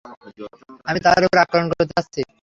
আমি তার উপর আক্রমণ করতে যাচ্ছি।